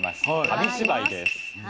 紙芝居です。